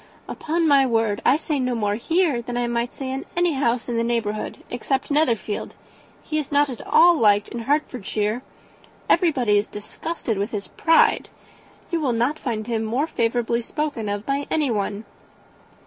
"Upon my word I say no more here than I might say in any house in the neighbourhood, except Netherfield. He is not at all liked in Hertfordshire. Everybody is disgusted with his pride. You will not find him more favourably spoken of by anyone."